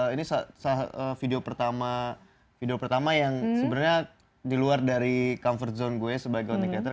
ini video pertama yang sebenarnya di luar dari comfort zone gue sebagai counting creator